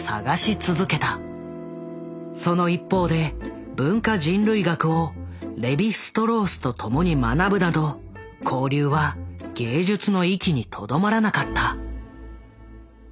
その一方で文化人類学をレヴィ＝ストロースと共に学ぶなど交流は芸術の域にとどまらなかった。